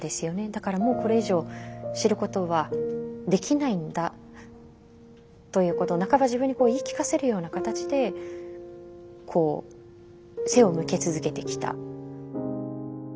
だからもうこれ以上知ることはできないんだということを半ば自分に言い聞かせるような形でこう背を向け続けてきた。